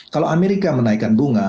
kalau amerika menaikkan bunga